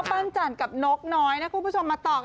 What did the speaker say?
เพิ่มกิสกับนกหน่อยนะคุณผู้ชม